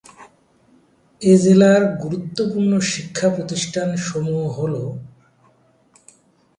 এ জেলার গুরুত্বপূর্ণ শিক্ষা প্রতিষ্ঠান সমুহ হল-